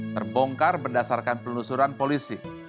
terbongkar berdasarkan penelusuran polisi